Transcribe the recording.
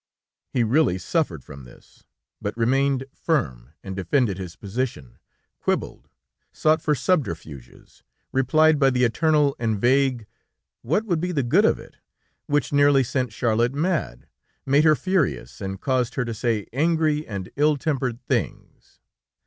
He really suffered from this, but remained firm and defended his position, quibbled, sought for subterfuges, replied by the eternal and vague: "What would be the good of it," which nearly sent Charlotte mad, made her furious and caused her to say angry and ill tempered things.